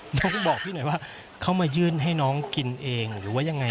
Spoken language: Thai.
น้องบอกพี่หน่อยว่าเขามายื่นให้น้องกินเองหรือว่ายังไง